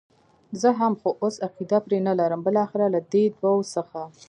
زه هم، خو اوس عقیده پرې نه لرم، بالاخره له دې دوو څخه.